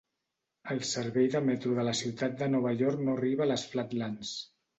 El servei de metro de la ciutat de Nova York no arriba a les Flatlands.